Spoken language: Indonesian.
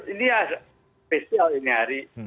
ini ya spesial ini hari